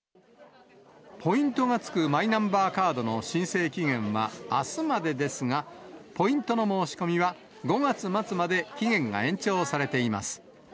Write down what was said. ポイントが付くマイナンバーカードの申請期限はあすまでですが、ポイントの申し込みは５月末まで期限が延長されています。